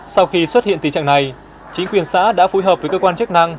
sau khi xuất hiện tình trạng này chính quyền xã đã phối hợp với cơ quan chức năng